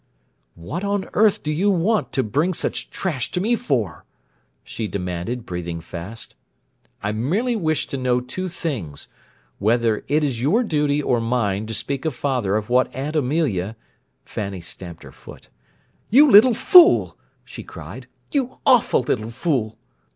"What on earth do you want to bring such trash to me for?" she demanded, breathing fast. "I merely wished to know two things: whether it is your duty or mine to speak to father of what Aunt Amelia—" Fanny stamped her foot. "You little fool!" she cried. "You awful little fool!"